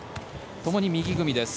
ともに右組みです。